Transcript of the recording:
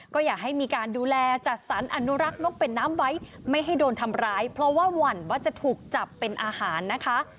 ก็อยากให้มีการดูแลจัดสรรอนุรักษ์นกเป็นน้ำไว้ไม่ให้โดนทำร้ายเพราะว่าหวั่นว่าจะถูกจับเป็นอาหารนะคะ